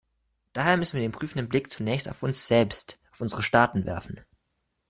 Daher müssen wir den prüfenden Blick zunächst auf uns selbst, auf unsere Staaten werfen.